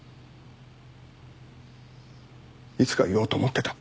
いつか言おうと思ってた。